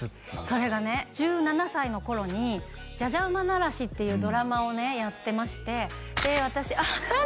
それがね１７歳の頃に「じゃじゃ馬ならし」っていうドラマをねやってましてで私何？